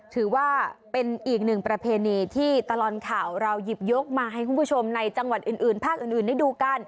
ถือว่าเป็นอีกหนึ่งประเพณีที่ตลอดข่าวเราหยิบยกมาให้คุณผู้ชมในจังหวัดอื่นภาคอื่นได้ดูกัน